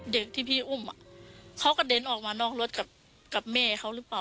เด็กที่พี่อุ้มเขากระเด็นออกมานอกรถกับแม่เขาหรือเปล่า